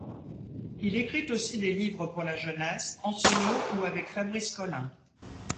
Il écrit aussi des livres pour la jeunesse, en solo ou avec Fabrice Colin.